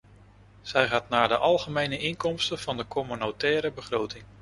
Zij gaat naar de algemene inkomsten van de communautaire begroting.